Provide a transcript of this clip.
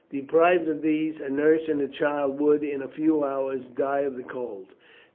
Deprived of these, a nurse and child would, in a few hours, die of the cold.